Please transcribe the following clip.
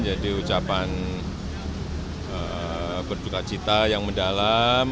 jadi ucapan berdukacita yang mendalam